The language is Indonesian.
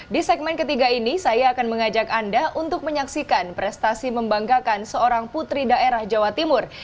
di segmen ketiga ini saya akan mengajak anda untuk menyaksikan prestasi membanggakan seorang putri daerah jawa timur